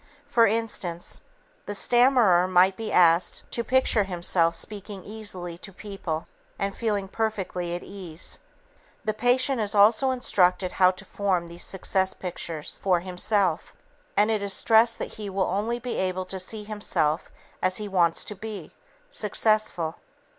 For instance, the stammerer might be asked to picture himself speaking easily to people, and feeling perfectly at ease. The patient is also instructed how to form these 'success pictures' for himself, and it is stressed that he will only be able to see himself as he wants to be successful.